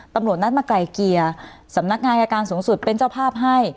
ตำรวจนัดมาไกลเกลี่ยสำนักงานอายการสูงสุดเป็นเจ้าภาพให้